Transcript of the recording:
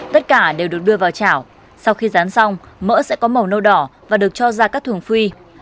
tất cả đều được đưa vào chảo sau khi rán xong mỡ sẽ có màu nâu đỏ và được cho ra các thùng phi